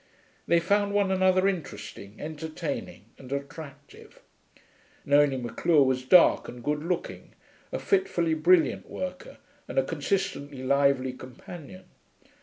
They found one another interesting, entertaining, and attractive. Nonie Maclure was dark and good looking, a fitfully brilliant worker, and a consistently lively companion.